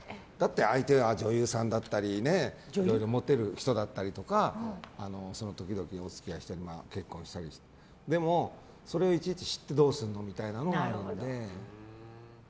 相手が女優さんだったりモテる人だったりその時々、お付き合いして結婚したりしてでも、それをいちいち知ってどうするのみたいなのがあるので。